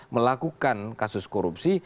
melakukan kasus korupsi